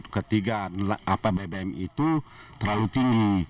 ketiga bbm itu terlalu tinggi